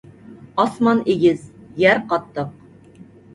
ئاسمان ئېگىز، يەر قاتتىق.